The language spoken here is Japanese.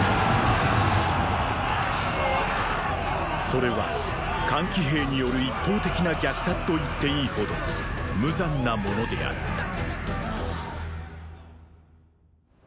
それは桓騎兵による一方的な虐殺と言っていいほど無残なものであった。